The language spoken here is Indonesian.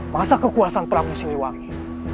masa kekuasaan prabu siliwangi